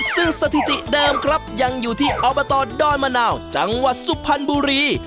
ซึ่งสถิติเดิมครับยังอยู่ที่อบตดอนมะนาวจังหวัดสุพรรณบุรี